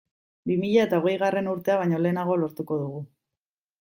Bi mila eta hogeigarren urtea baino lehenago lortuko dugu.